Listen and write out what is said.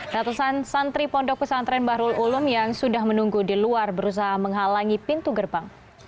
ratusan santri pondok pesantren bahrul ulum yang sudah menunggu di luar berusaha menghalangi pintu gerbang